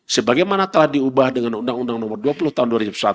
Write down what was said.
sebagaimana telah diubah dengan undang undang nomor dua puluh tahun dua ribu satu